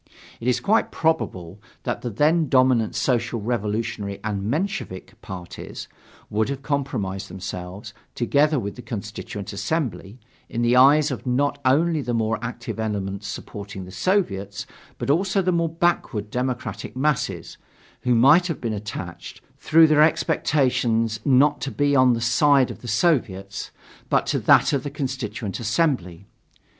It is quite probable that the then dominant Social Revolutionary and Menshevik parties would have compromised themselves, together with the Constituent Assembly, in the eyes of not only the more active elements supporting the Soviets, but also of the more backward democratic masses, who might have been attached, through their expectations not to the side of the Soviets, but to that of the Constituent Assembly.